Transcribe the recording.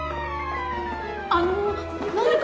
あの何か？